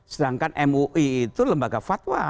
sedangkan mui itu lembaga fatwa